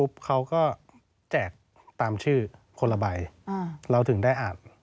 บันทึกคำทัดสารภาพ